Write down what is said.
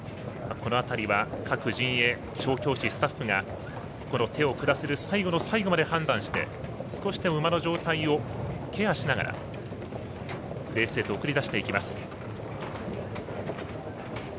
この辺りは、各陣営調教師、スタッフが手を下せる最後の最後まで判断して少しまで馬の状態をケアしながらレースへと送り出していきます。